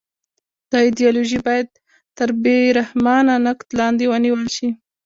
دا ایدیالوژي باید تر بې رحمانه نقد لاندې ونیول شي